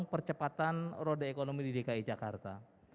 percepatan roda ekonomi di dki jakarta